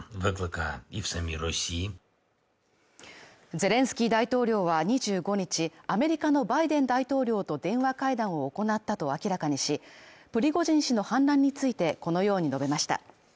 ゼレンスキー大統領は２５日、アメリカのバイデン大統領と電話会談を行ったと明らかにし、プリゴジン氏の反乱についてこのように述べました。